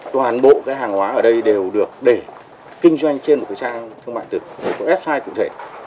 toàn bộ cái hàng hóa ở đây đều được để kinh doanh trên một cái trang thương mại từ f hai cụ thể